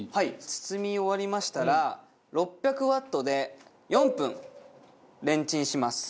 包み終わりましたら６００ワットで４分レンチンします。